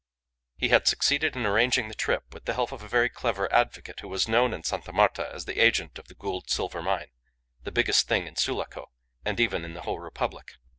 He had succeeded in arranging the trip with the help of a very clever advocate, who was known in Sta. Marta as the agent of the Gould silver mine, the biggest thing in Sulaco, and even in the whole Republic.